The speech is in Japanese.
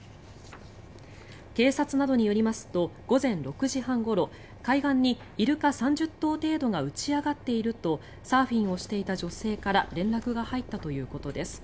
警察などによりますと午前６時半ごろ海岸にイルカ３０頭程度が打ち上がっているとサーフィンをしていた女性から連絡が入ったということです。